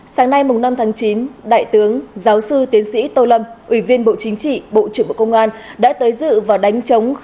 sáng nay năm tháng chín đại tướng giáo sư tiến sĩ tô lâm ủy viên bộ chính trị bộ trưởng bộ công an đã tới dự và đánh chống